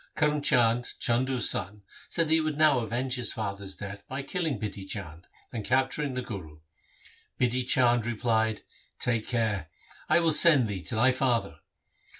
Karm Chand, Chandu's son, said that he would now avenge his father's death by killing Bidhi Chand and capturing the Guru. Bidhi Chand replied, ' Take care ! I will send thee to thy father.'